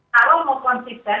kalau mau konsisten